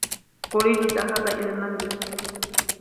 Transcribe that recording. ارید الذهاب الی المنزل.